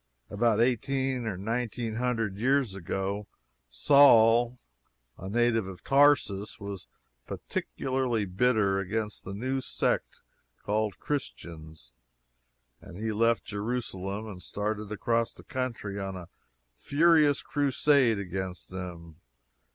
About eighteen or nineteen hundred years ago, Saul, a native of Tarsus, was particularly bitter against the new sect called Christians, and he left Jerusalem and started across the country on a furious crusade against them.